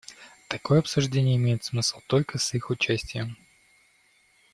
Такое обсуждение имеет смысл только с их участием.